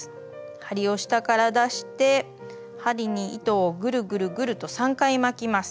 針を下から出して針に糸をぐるぐるぐると３回巻きます。